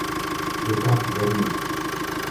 Le cap Bernouilli